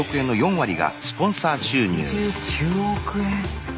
６９億円！